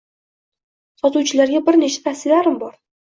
— Sotuvchilarga bir nechta tavsiyalarim bor.